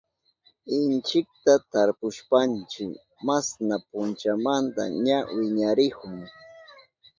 Inchikta tarpushpanchi masna punchamanta ña wiñarinahun.